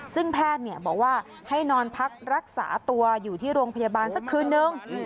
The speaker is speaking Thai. ซึ่งแพทย์บอกว่าให้นอนพักรักษาตัวอยู่ที่โรงพยาบาลสักคืนนึง